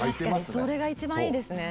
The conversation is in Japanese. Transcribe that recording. それが一番いいですね。